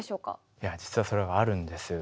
いや実はそれがあるんです。